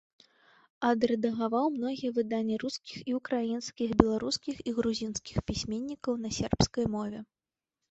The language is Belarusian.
Адрэдагаваў многія выданні рускіх і ўкраінскіх, беларускіх і грузінскіх пісьменнікаў на сербскай мове.